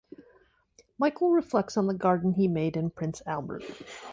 Michael reflects on the garden he made in Prince Albert.